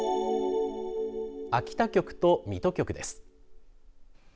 秋田局と水戸局です。